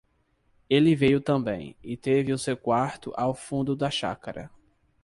ele veio também, e teve o seu quarto ao fundo da chácara.